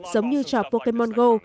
giống như trò pokemon go